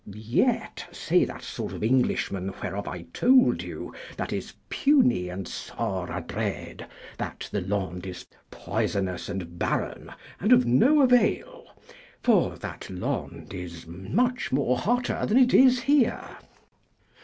Yet say that sort of Englishmen where of I told you, that is puny and sore adread, that the Lond is poisonous and barren and of no avail, for that Lond is much more hotter than it is here.